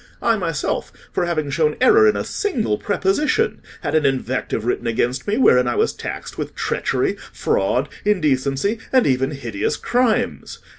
I myself, for having shown error in a single preposition, had an invective written against me wherein I was taxed with treachery, fraud, indecency, and even hideous crimes.